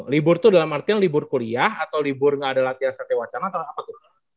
libur itu dalam artian libur kuliah atau libur nggak ada latihan sate wacana atau apa tuh